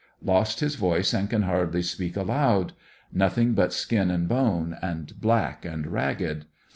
Lost his voice aud can hardly speak aloud; nothing but sKin and bone, and black and ragged.